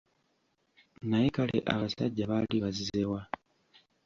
Naye kale abasajja baali bazze wa?